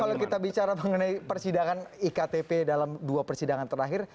kalau kita bicara mengenai persidangan iktp dalam dua persidangan terakhir